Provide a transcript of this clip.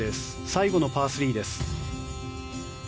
最後のパー３です。